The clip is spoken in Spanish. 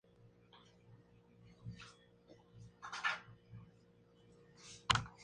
El rey consulta con el pueblo, que decide protegerlas.